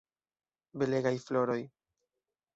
Belegaj floroj!